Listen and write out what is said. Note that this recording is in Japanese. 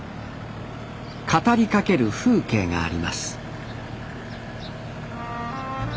語りかける風景があります